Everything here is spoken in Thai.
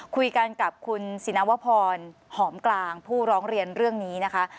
คุยกันกับคุณสินวพรหอมกลางผู้ร้องเรียนเรื่องนี้นะคะ